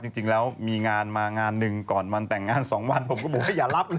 จริงแล้วมีงานมางานหนึ่งก่อนวันแต่งงาน๒วันผมก็บอกว่าอย่ารับเลย